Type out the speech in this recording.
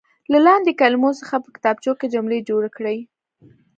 له لاندې کلمو څخه په کتابچو کې جملې جوړې کړئ.